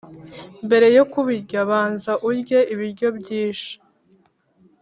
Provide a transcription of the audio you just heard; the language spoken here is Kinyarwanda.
Mbere yo kubinywa banza urye ibiryo byishi